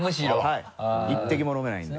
はい一滴も飲めないんで。